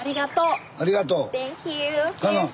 ありがとう。